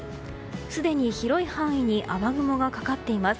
すでに広い範囲に雨雲がかかっています。